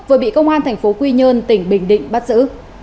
vừa bị công an tp quy nhơn tỉnh bình định bắt giữ